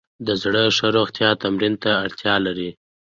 د زړه ښه روغتیا تمرین ته اړتیا لري.